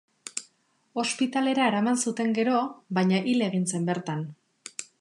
Ospitalera eraman zuten gero, baina hil egin zen bertan.